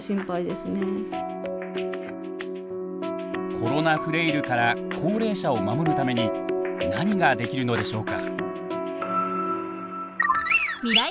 コロナフレイルから高齢者を守るために何ができるのでしょうか。